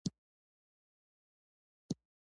په مزدونو کې د دولت نه مداخله پانګوال تشویقوي.